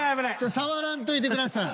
触らんといてください。